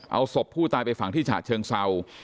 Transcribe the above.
เอาศพผู้ตายไปฝั่งที่ชาติเชิงเซา